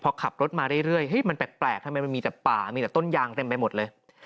พอขับรถมาเรื่อยมันแปลกทำไมมันมีแต่ป่ามีแต่ต้นยางเต็มไปหมดเลย